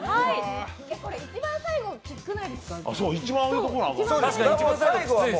これ、一番最後キツくないですか？